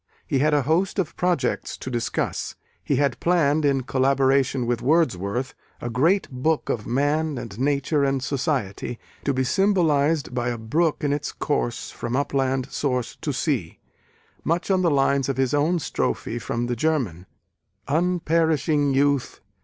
He had a host of projects to discuss. He had planned, in collaboration with Wordsworth, a "great book of Man and Nature and Society, to be symbolized by a brook in its course from upland source to sea:" much on the lines of his own strophe from the German: Unperishing youth!